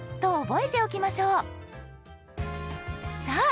さあ